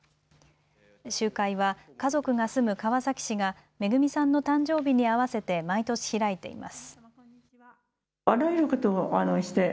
集会は家族が住む川崎市がめぐみさんの誕生日に合わせて毎年開いています。